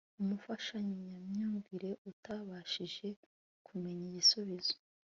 umufashamyumvire utabashije kumenya igisubizo